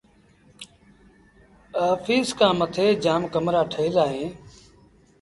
آڦيٚس کآݩ مٿي جآم ڪمرآ ٺهيٚل اوهيݩ